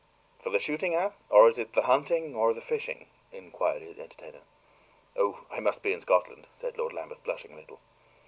"For the shooting, eh? or is it the hunting, or the fishing?" inquired his entertainer. "Oh, I must be in Scotland," said Lord Lambeth, blushing a little.